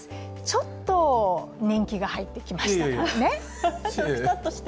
ちょっと年季が入ってきましたね。